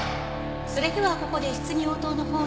それではここで質疑応答の方に。